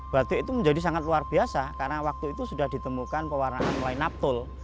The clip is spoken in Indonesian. batik itu menjadi sangat luar biasa karena waktu itu sudah ditemukan pewarnaan mulai naptul